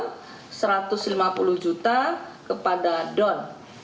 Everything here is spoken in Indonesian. har memberikan uang rp satu ratus lima puluh juta kepada don